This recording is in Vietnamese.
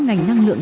ngành năng lượng